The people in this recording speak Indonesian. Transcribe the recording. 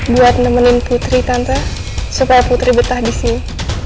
buat nemenin putri tante supaya putri betah di sini